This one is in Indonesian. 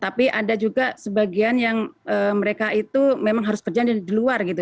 tapi ada juga sebagian yang mereka itu memang harus berjalan dari luar gitu